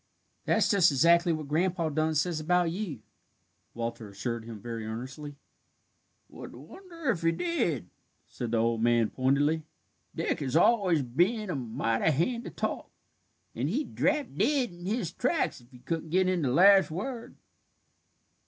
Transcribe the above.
"That's just exactly what Grandpa Dun says about you," Walter assured him very earnestly. "Wouldn't wonder if he did," said the old man pointedly. "Dick is always ben a mighty hand to talk, and he'd drap dead in his tracks if he couldn't get in the last word."